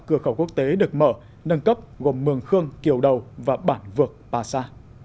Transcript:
cửa khẩu quốc tế được mở nâng cấp gồm mường khương kiều đầu và bản vượt pa sa